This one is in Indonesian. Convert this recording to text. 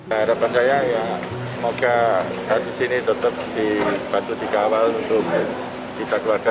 harapan saya ya semoga kasus ini tetap dibantu dikawal untuk bisa keluarga